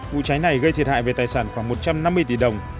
vụ cháy này gây thiệt hại về tài sản khoảng một trăm năm mươi tỷ đồng